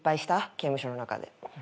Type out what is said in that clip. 刑務所の中で。